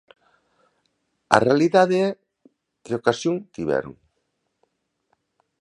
A realidade é que ocasión tiveron.